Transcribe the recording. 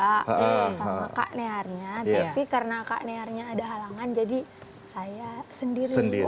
kak sama kak nearnya tapi karena kak nearnya ada halangan jadi saya sendiri